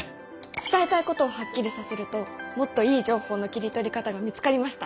伝えたいことをはっきりさせるともっといい情報の切り取り方が見つかりました！